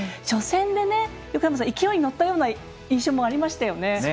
初戦で勢いに乗った印象もありましたよね。